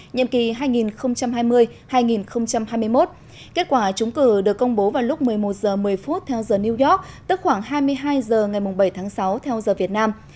nhiệm kỳ hai nghìn hai mươi hai nghìn hai mươi một kết quả chúng cử được công bố vào lúc một mươi một h một mươi theo giờ new york tức khoảng hai mươi hai h ngày bảy tháng sáu theo giờ việt nam